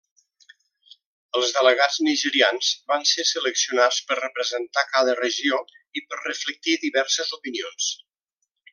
Els delegats nigerians van ser seleccionats per representar cada regió i per reflectir diverses opinions.